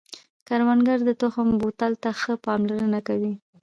کروندګر د تخم بوتل ته ښه پاملرنه کوي